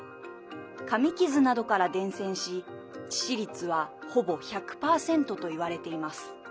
かみ傷などから伝染し致死率はほぼ１００％といわれています。